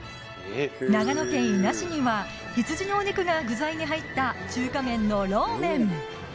長野県伊那市には羊のお肉が具材に入った中華麺のローメン